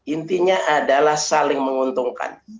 intinya adalah saling menguntungkan